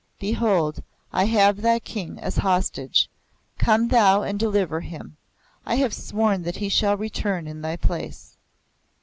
Behold, I have thy King as hostage. Come thou and deliver him. I have sworn that he shall return in thy place."